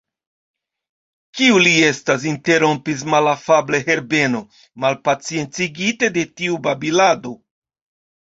Kiu li estas? interrompis malafable Herbeno, malpaciencigite de tiu babilado.